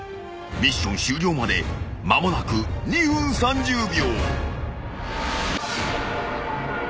［ミッション終了まで間もなく２分３０秒］